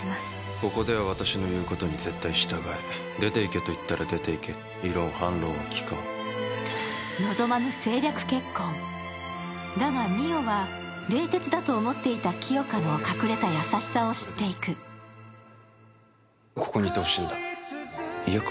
ここでは私の言うことに絶対従え出ていけと言ったら出ていけ異論反論は聞かん望まぬ政略結婚だが美世は冷徹だと思っていた清霞の隠れた優しさを知っていくここにいてほしいんだ嫌か？